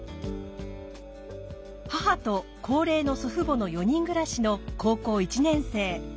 母と高齢の祖父母の４人暮らしの高校１年生。